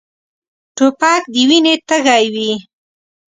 توپک د وینې تږی وي.